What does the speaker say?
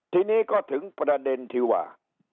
ทีนี้ก็ถึงประเด็นที่ว่า